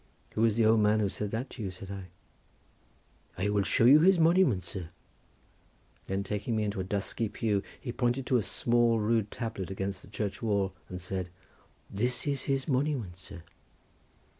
"Who was the old man who said that to you?" said I. "I will show you his monument, sir," then taking me into a dusky pew he pointed to a small rude tablet against the church wall and said:—"That is his monument, sir."